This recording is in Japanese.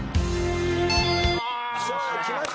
さあきました